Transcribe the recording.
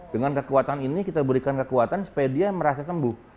dengan kekuatan ini kita berikan kekuatan supaya dia merasa sembuh